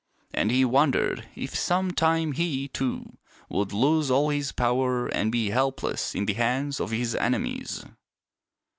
And he wondered if some time he, too, would lose all his power and be helpless in the hands of his enemies.